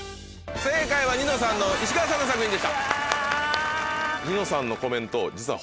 正解はニノさんの石川さんの作品でした。